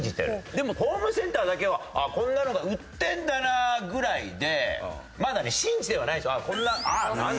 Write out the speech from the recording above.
でも「ホームセンター」だけはこんなのが売ってるんだなぐらいでまだね信じてはないんですよ。